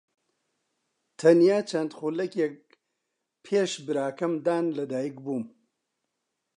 تەنیا چەند خولەکێک پێش براکەم دان لەدایکبووم.